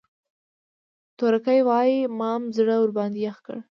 تورکى وايي مام زړه ورباندې يخ کړ.